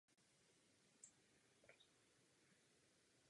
Budova má členěné štukové omítky a bohatý dekor.